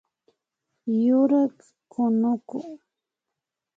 Yurak kunuku